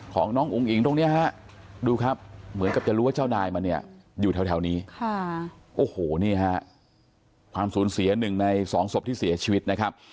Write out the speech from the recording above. ของน้องอุ้งอิงตรงนี้ฮะดูครับเหมือนกับจะรู้ว่าเจ้านายมันเนี่ยอยู่แถวนี้โอ้โหนี่ฮะความสูญเสียหนึ่งในสองศพที่เสียชีวิตนะครับ